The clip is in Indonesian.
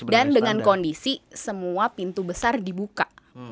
dan dengan kondisi semua pintu besar dibuka